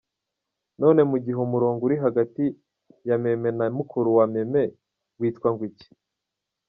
none mugihe umurongo uri hagati yameme na mukuru wameme witwa ngwiki?..